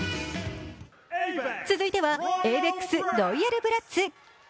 つづいてはａｖｅｘＲＯＹＡＬＢＲＡＴＳ。